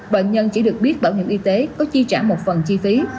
bệnh nhân chỉ được biết bảo hiểm y tế có chi trả một phần chi phí